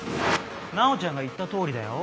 直ちゃんが言ったとおりだよ。